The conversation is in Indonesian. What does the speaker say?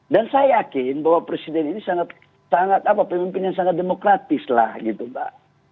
dan saya yakin bahwa presiden ini pemimpin yang sangat demokratis lah gitu pak